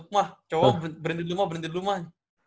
mah cowok berhenti dulu mah berhenti dulu mah